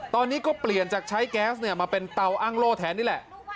ตอนนี้ก็เปลี่ยนจากใช้แก๊สมาเป็นเตาอ้างโล่แทนนี่แหละ